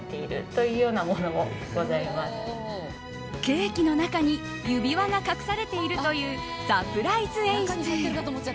ケーキの中に指輪が隠されているというサプライズ演出。